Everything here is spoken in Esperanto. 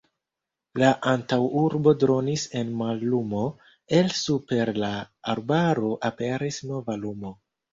La antaŭurbo dronis en mallumo, el super la arbaro aperis nova luno.